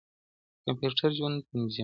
کمپيوټر ژوند تنظيموي.